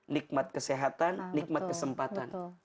nikmat kesehatan nikmat kesempatan